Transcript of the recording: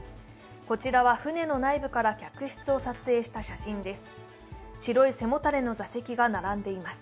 こちらは船の内部から客室を撮影した写真です。